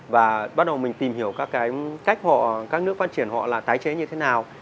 và bắt đầu mình tìm hiểu các cái cách họ các nước phát triển họ là tái chế như thế nào